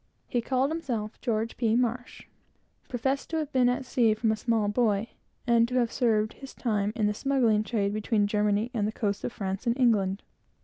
He called himself George P. Marsh; professed to have been at sea from a small boy, and to have served his time in the smuggling trade between Germany and the coasts of France and England.